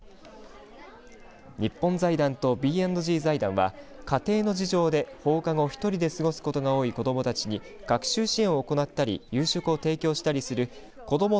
日本財団とＢ＆Ｇ財団は家庭の事情で放課後１人で過ごすことが多い子どもたちに学習支援を行ったり夕食を提供したりする子ども